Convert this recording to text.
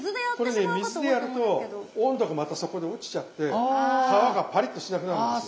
これね水でやると温度がまたそこで落ちちゃって皮がパリッとしなくなるんですよ。